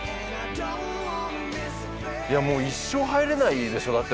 いやもう一生入れないでしょだって